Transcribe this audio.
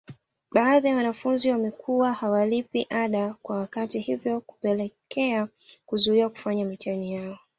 Baadhi ya wanafunzi wamekuwa hawalipi ada kwa wakati hivyo kupelekea kuzuiwa kufanya mitihani yao